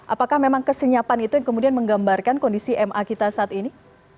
apakah memang kesenyapan itu yang kemudian menggambarkan kondisi ma kita saat ini